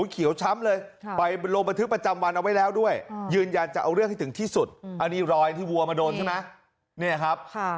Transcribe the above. ที่วัวมาโดนใช่ไหมนี่ครับ